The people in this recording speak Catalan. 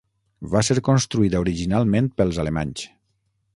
Va ser construïda originalment pels alemanys.